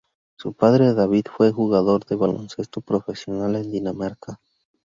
Su padre David fue jugador de baloncesto profesional en Dinamarca.